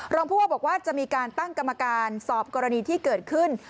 รองผู้ว่าบอกว่าจะมีการตั้งกรรมการสอบกรณีที่เกิดขึ้น